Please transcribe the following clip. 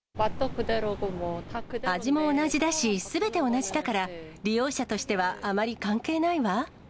味も同じだし、すべて同じだから、利用者としてはあまり関係ないわ。